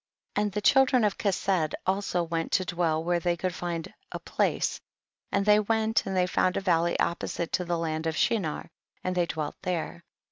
29. And the children of Kesed also went to dwell where they could find a 'place, and they went and they found a valley opposite to the land of Shinar, and they dwelt there.